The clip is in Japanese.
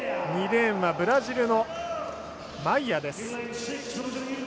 ２レーンはブラジルのマイアです。